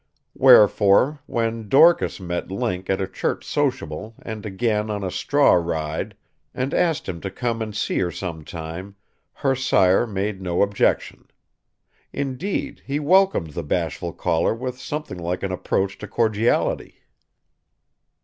Wherefore, when Dorcas met Link at a church sociable and again on a straw ride and asked him to come and see her some time, her sire made no objection. Indeed he welcomed the bashful caller with something like an approach to cordiality.